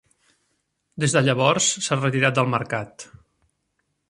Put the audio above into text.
Des de llavors s'ha retirat del mercat.